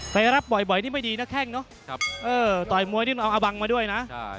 ไปรับบ่อยนี่ไม่ดีนะแข้งเนาะต่อยมวยนี่มันเอาอาบังมาด้วยนะ